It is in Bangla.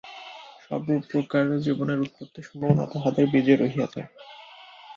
সর্বপ্রকার জীবনের উৎপত্তির সম্ভাবনা তাহাদের বীজে রহিয়াছে।